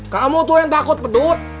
kamu tuh yang takut pedut